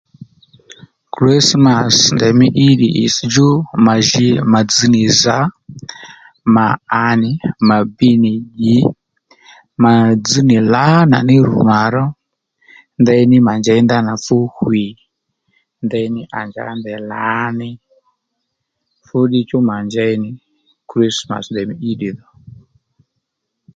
Krismàs ndèymí íddi ìtsś djú mà dzz nì zǎ mà a nì mà biy nì dyì mà dzz nì lǎnà ní rù mà ró ndeyní mà njěy ndanà fú hwî ndeyní à njǎ ndèy lǎní fúddiy chú mà njey nì Krismàs ndèymí íddi dho